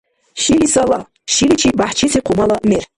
«Шилисала» — шиличи бяхӀчиси хъумала мер.